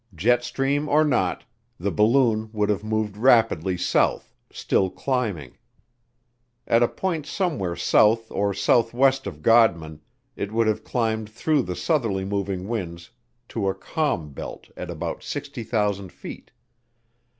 Jet stream or not, the balloon would have moved rapidly south, still climbing. At a point somewhere south or southwest of Godman it would have climbed through the southerly moving winds to a calm belt at about 60,000 feet.